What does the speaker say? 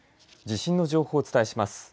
地震の情報をお伝えします。